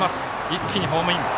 一気にホームイン。